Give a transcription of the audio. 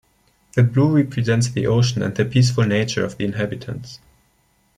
The blue represents the ocean and the peaceful nature of the inhabitants.